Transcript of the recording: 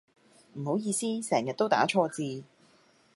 唔好意思成日都打錯字